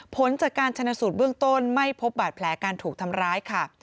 ผลจากการชนะสูตรเบื้องต้นไม่พบบาดแผลการถูกทำร้ายค่ะ